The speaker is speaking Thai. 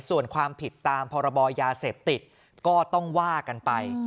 ส่วนความผิดตามพรบยาเสพติดก็ต้องว่ากันไป